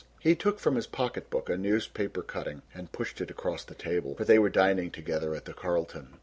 He took from his pocketbook a newspaper cutting and pushed it across the table, for they were dining together at the Carlton.